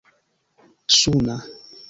suna